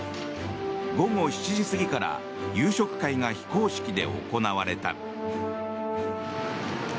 午後７時過ぎから夕食会が非公式で行われた。